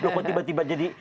loh kok tiba tiba jadi